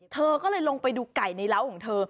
เธอก็เลยลงไปดูไก่ในร้าวของเธอ